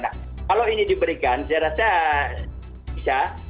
nah kalau ini diberikan saya rasa bisa